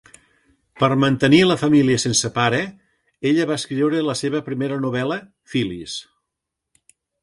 Per mantenir la família sense pare, ella va escriure la seva primera novel·la, "Phyllis".